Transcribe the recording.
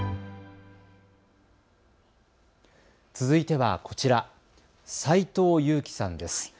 続いてはこちら、斎藤佑樹さんです。